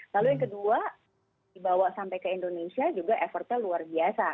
lalu yang kedua dibawa sampai ke indonesia juga effortnya luar biasa